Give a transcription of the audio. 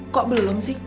kok belum sih